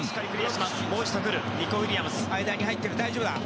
間に入ってる大丈夫だ。